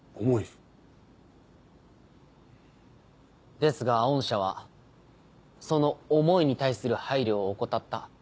ですが御社はその「思い」に対する配慮を怠った。